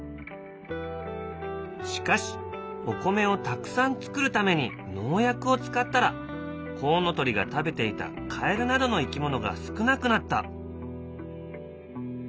しかしお米をたくさん作るために農薬を使ったらコウノトリが食べていたカエルなどの生き物が少なくなった。